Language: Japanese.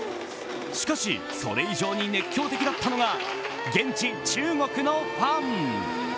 しかしそれ以上に熱狂的だったのが現地中国のファン。